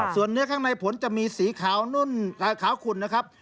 ส่วนเนื้อข้างในผลจะมีสีขาวขุ่นนะครับ